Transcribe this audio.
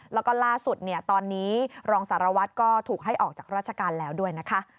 แล้วก็ล่าสุดตอนนี้รองสารวัตรก็ถูกให้ออกจากราชการแล้วด้วยนะคะ